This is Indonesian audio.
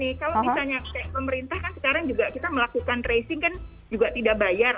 dan satu lagi gini kalau misalnya pemerintah kan sekarang juga kita melakukan tracing kan juga tidak bayar